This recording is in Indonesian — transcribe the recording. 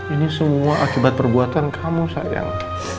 ini semua akibat perbuatan kamu sayang